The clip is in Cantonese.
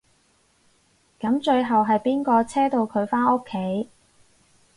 噉最後係邊個車到佢返屋企？